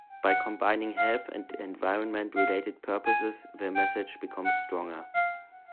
By combining health and environment related purposes, the message becomes stronger.